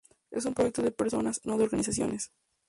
Es un proyecto de personas, no de organizaciones.